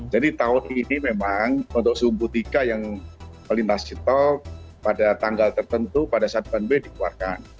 jadi tahun ini memang untuk sumbu tiga yang melintasi tol pada tanggal tertentu pada saat ban b dikeluarkan